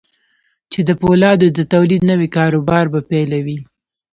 چې د پولادو د توليد نوي کاروبار به پيلوي.